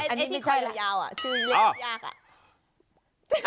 อันนี้ที่คอยยาวอ่ะชื่อยีราบยากอ่ะ